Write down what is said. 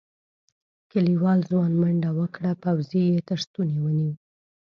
کليوال ځوان منډه وکړه پوځي یې تر ستوني ونيو.